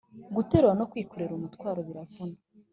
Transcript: Guterura No Kwikorera Umutwaro Biravuna